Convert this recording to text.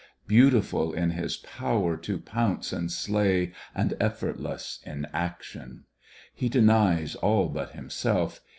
Beautiful in his power to pounce and slay And efiEortless in action. He denies All but himself.